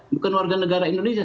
bukan warga negara indonesia